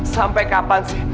sampai kapan sih